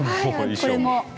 これも。